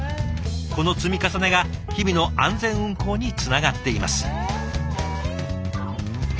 この積み重ねが日々の安全運行につながっています。